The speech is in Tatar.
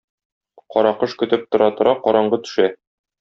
Каракош көтеп тора-тора, караңгы төшә.